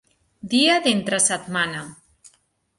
Dia d'entre setmana.